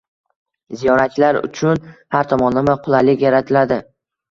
Ziyoratchilar uchun har tomonlama qulaylik yaratiladi.